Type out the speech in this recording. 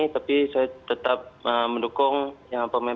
tapi saya tetap mendukung yang pemain